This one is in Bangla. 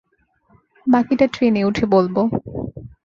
বাকিটা ট্রেনে উঠে বলব।